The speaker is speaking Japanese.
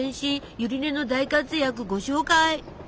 ゆり根の大活躍ご紹介！